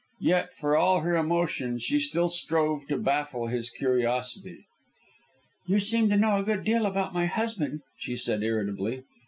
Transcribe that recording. Yet, for all her emotion, she still strove to baffle his curiosity. "You seem to know a good deal about my husband," she said irritably.